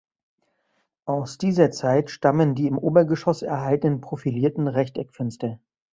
Aus dieser Zeit stammen die im Obergeschoss erhaltenen profilierten Rechteckfenster.